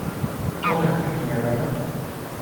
Hola, pequeña dama.